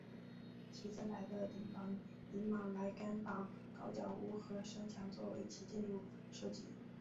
其站台的顶棚以马来甘榜高脚屋和山墙作为其建筑设计。